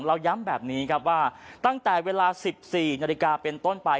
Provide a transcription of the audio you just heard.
ย้ำแบบนี้ครับว่าตั้งแต่เวลา๑๔นาฬิกาเป็นต้นไป